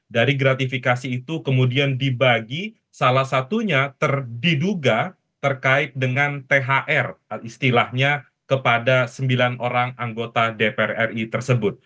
dari gratifikasi itu kemudian dibagi salah satunya diduga terkait dengan thr istilahnya kepada sembilan orang anggota dpr ri tersebut